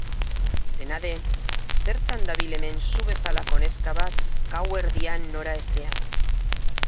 Dena den, zertan dabil hemen zu bezalako neska bat gauerdian noraezean?